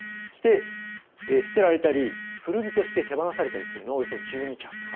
そして、捨てられたり古着として手放されたりするものおよそ１２着。